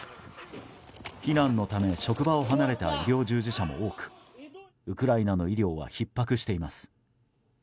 避難のため職場を離れた医療従事者も多くウクライナの医療はひっ迫しています。